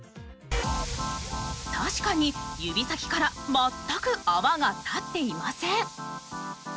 確かに指先から全く泡が立っていません。